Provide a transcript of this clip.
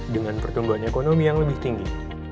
dengan pertumbuhan ekonomi yang lebih tinggi